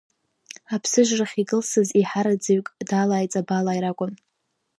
Аԥсыжрахь икылсыз еиҳараӡаҩык далааи ҵабалааи ракәын.